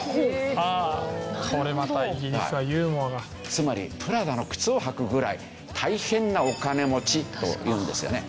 つまりプラダの靴を履くぐらい大変なお金持ちというんですよね。